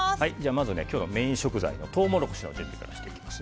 まず今日のメイン食材のトウモロコシの準備からしていきます。